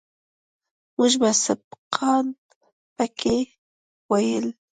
موږ به سبقان پکښې ويل.